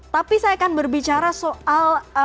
tapi saya akan berbicara soal